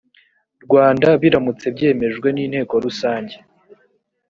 rwanda biramutse byemejwe n inteko rusange